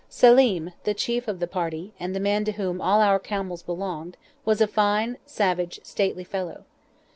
Selim, the chief of the party, and the man to whom all our camels belonged, was a fine, savage, stately fellow.